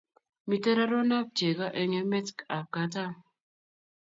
Miten raruen ab cheko en emet ab katam